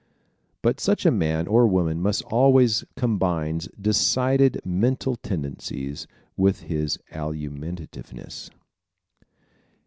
But such a man or woman almost always combines decided mental tendencies with his alimentiveness.